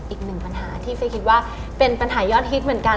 อีกหนึ่งปัญหาที่เฟย์คิดว่าเป็นปัญหายอดฮิตเหมือนกัน